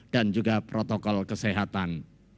dan juga protokol kesehatan